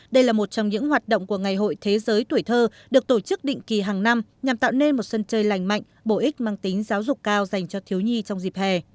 đây là một trong những hoạt động của ngày hội thế giới tuổi thơ được tổ chức định kỳ hàng năm nhằm tạo nên một sân chơi lành mạnh bổ ích mang tính giáo dục cao dành cho thiếu nhi trong dịp hè